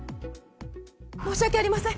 申しわけありません！